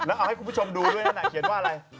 เอาให้คุณผู้ชมดูด้วยนะคิดว่าอะไร